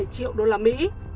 bốn mươi bảy triệu đô la mỹ